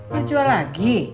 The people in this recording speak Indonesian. mau jual lagi